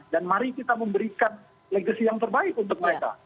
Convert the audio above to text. dan mari kita memberikan legasi yang terbaik untuk mereka